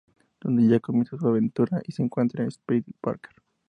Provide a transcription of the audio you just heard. Donde Jack comienza su aventura y se encuentra con Speedy Parker.